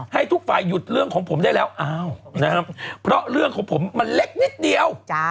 ให้ทุกฝ่ายหยุดเรื่องของผมได้แล้วอ้าวนะครับเพราะเรื่องของผมมันเล็กนิดเดียว